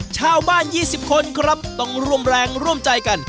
ชาวบ้าน๒๐คนครับต้องร่วมแรงร่วมใจกัน